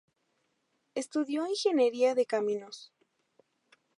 Estudió Ingeniería de Caminos.